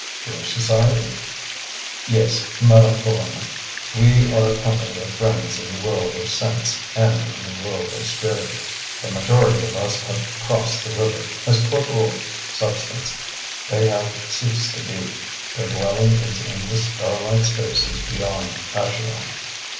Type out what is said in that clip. "Your society?" "Yes, Madame Provana. We are a company of friends in the world of sense and in the world of spirit. The majority of us have crossed the river. As corporal substance they have ceased to be; their dwelling is in the starlit spaces beyond Acheron.